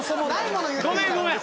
ごめんごめん